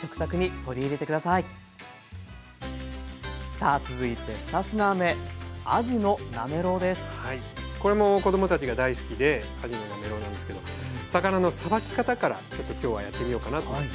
さあ続いて２品目これも子どもたちが大好きであじのなめろうなんですけど魚のさばき方からちょっときょうはやってみようかなと思って。